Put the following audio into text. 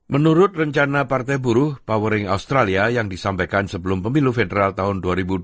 menurut rencana partai buruh powering australia yang disampaikan sebelum pemilu federal tahun dua ribu dua puluh